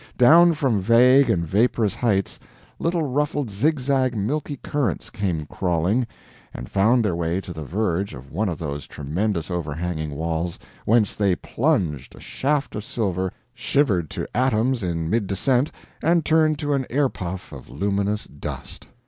Down from vague and vaporous heights, little ruffled zigzag milky currents came crawling, and found their way to the verge of one of those tremendous overhanging walls, whence they plunged, a shaft of silver, shivered to atoms in mid descent and turned to an air puff of luminous dust.